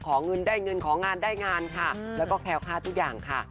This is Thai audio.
เงินได้เงินของานได้งานค่ะแล้วก็แคล้วค่าทุกอย่างค่ะ